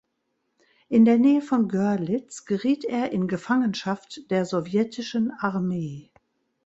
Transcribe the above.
In der Nähe von Görlitz geriet er in Gefangenschaft der sowjetischen Armee.